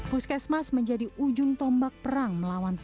puskesmas menjadi ujung tombak perang melawan